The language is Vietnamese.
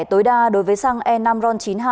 tối đa đối với xăng e năm ron chín mươi hai